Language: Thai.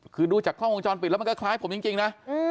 คือดูจากกล้องวงจรปิดแล้วมันก็คล้ายผมจริงนะ